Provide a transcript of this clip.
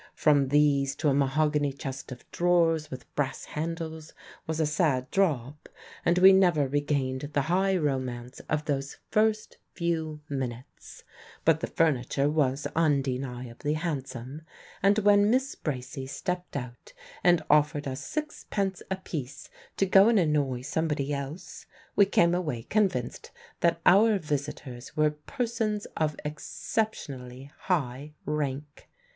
From these to a mahogany chest of drawers with brass handles was a sad drop, and we never regained the high romance of those first few minutes; but the furniture was undeniably handsome, and when Miss Bracy stepped out and offered us sixpence apiece to go and annoy somebody else, we came away convinced that our visitors were persons of exceptionally high rank.